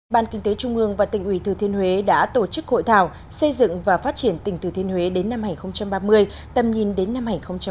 ban kinh tế trung ương và tỉnh ủy thừa thiên huế đã tổ chức hội thảo xây dựng và phát triển tỉnh thừa thiên huế đến năm hai nghìn ba mươi tầm nhìn đến năm hai nghìn bốn mươi năm